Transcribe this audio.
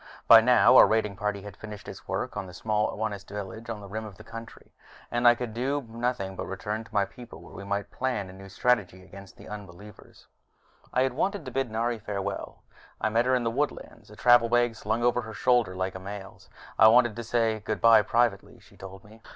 By now our raiding party had finished its work on the small Onist village on the rim of our country, and I could do nothing but return to my people, where we might plan new strategy against the unbelievers. But I had wanted to bid Nari farewell. I met her in the woodlands, a travel bag slung over her shoulder like a male's. "I wanted to say goodbye privately," she told me.